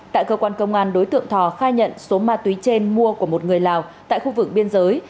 tại cơ quan công an đối tượng thò khai nhận số ma túy trên mua của một người lào tại khu vực biên giới